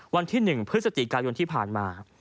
วันที่๑พฤศจิกายนที่ผ่านมา